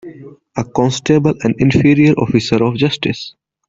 A constable an inferior officer of justice.